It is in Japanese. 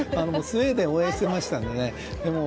スウェーデンを応援してましたので。